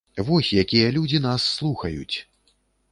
Вось якія людзі нас слухаюць!